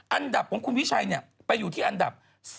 อันดับของคุณวิชัยไปอยู่ที่อันดับ๔